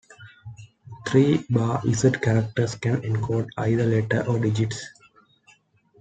Three-bar Z characters can encode either letters or digits.